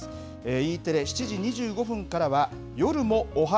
Ｅテレ、７時２５分からは、夜もオハ！